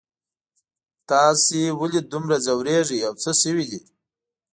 تاسو ولې دومره ځوریږئ او څه شوي دي